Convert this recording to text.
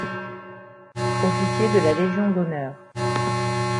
Officier de la Légion d’honneur.